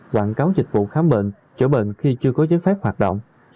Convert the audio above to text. đoạn cáo dịch vụ khám bệnh chữa bệnh khi chưa có giới phép hoạt động